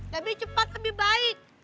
tapi cepat lebih baik